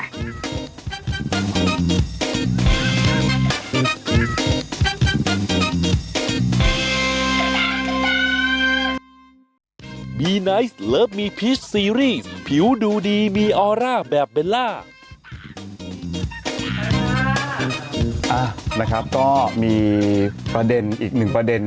นะครับก็มีประเด็นอีกหนึ่งประเด็น